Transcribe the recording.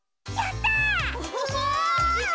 やった！